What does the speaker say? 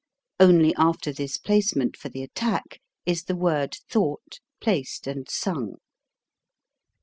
Only after this placement for the attack is the word thought, placed, and sung.